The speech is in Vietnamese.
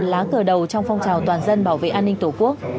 lá cờ đầu trong phong trào toàn dân bảo vệ an ninh tổ quốc